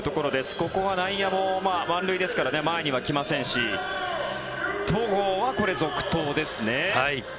ここは内野も満塁ですから前には来ませんし戸郷は続投ですね。